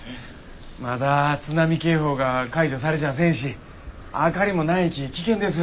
まだ津波警報が解除されちゃせんし明かりもないき危険です。